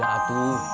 gak ada kentang